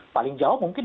paling jauh mungkin